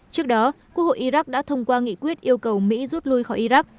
trước đó quốc hội iraq đã thông qua nghị quyết yêu cầu mỹ rút lui khỏi iraq